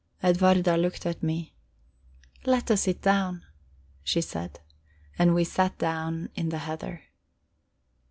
Edwarda looked at me. "Let us sit down," she said. And we sat down in the heather.